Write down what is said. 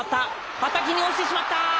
はたきに落ちてしまった。